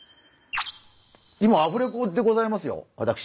今アフレコでございますよ私。